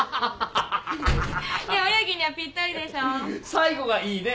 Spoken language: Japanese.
最後がいいね。